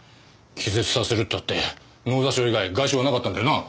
気絶させるったって脳挫傷以外外傷はなかったんだよなあ？